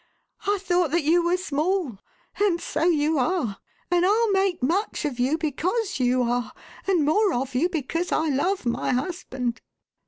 I thought that you were small; and so you are, and I'll make much of you because you are, and more of you because I love my husband.